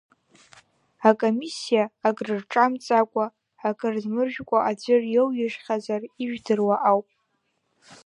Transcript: Акомиссиа акрырҿамҵакәа, акыр дмыржәкәа аӡәыр иоуижьхьазар ижәдыруа ауп.